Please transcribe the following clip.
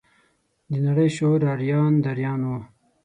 د نړۍ شعور اریان دریان و.